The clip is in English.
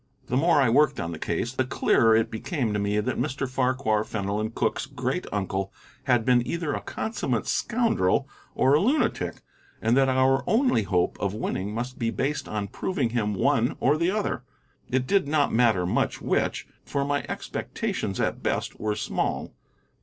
The more I worked on the case, the clearer it became to me that Mr. Farquhar Fenelon Cooke's great uncle had been either a consummate scoundrel or a lunatic, and that our only hope of winning must be based on proving him one or the other; it did not matter much which, for my expectations at best were small.